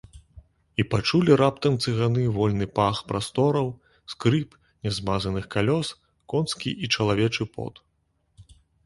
І пачулі раптам цыганы вольны пах прастораў, скрып нямазаных калёс, конскі і чалавечы пот.